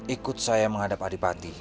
ikut saya menghadap adipati